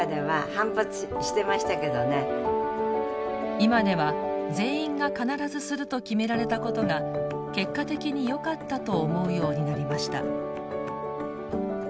今では「全員が必ずする」と決められたことが結果的によかったと思うようになりました。